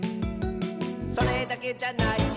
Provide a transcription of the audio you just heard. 「それだけじゃないよ」